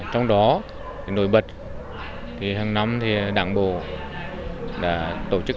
trong đó nổi bật hàng năm thì đảng bộ đã tổ chức